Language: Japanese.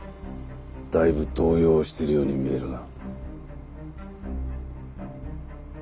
だいぶ動揺をしてるように見えるが。